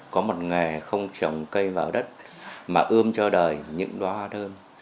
có một nghề không trồng cây vào đất mà ươm cho đời những đoá hoa thơm